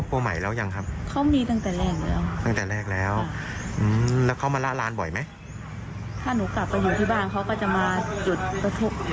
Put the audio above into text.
เพราะว่าให้เหถือนที่สุดเมื่อวานลูกหนูก็ยังเล็ก